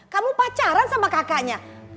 kamu pacaran sama kakaknya